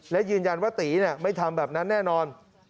และยืนยันว่าตีไม่ทำแบบนั้นแน่นอน